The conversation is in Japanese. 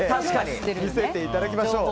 見せていただきましょう。